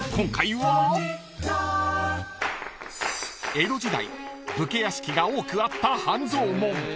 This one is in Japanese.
［江戸時代武家屋敷が多くあった半蔵門］